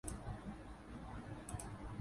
มีประเทศเข้าร่วมแล้วกว่า